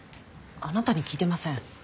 あなたに聞いてません。